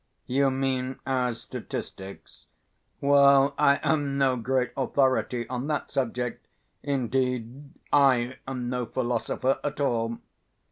"You mean as statistics. Well, I am no great authority on that subject, indeed I am no philosopher at all.